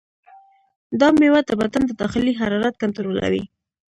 دا میوه د بدن د داخلي حرارت کنټرولوي.